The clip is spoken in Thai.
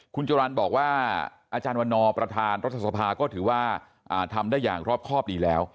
คุณจุรันบอกว่าอาจารย์วันนอร์ประธานรัฐสภาก็ถือว่าทำได้อย่างรอบครอบดีแล้ว